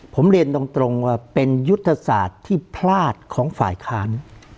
ผมเรียนตรงว่าเป็นยุทธศาสตร์ที่พลาดของฝ่ายค้าน